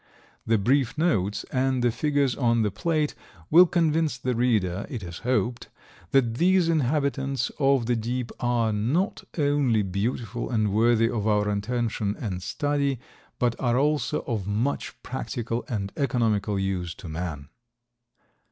The brief notes and the figures on the plate will convince the reader, it is hoped, that these inhabitants of the deep are not only beautiful and worthy of our attention and study, but are also of much practical and economical use to man.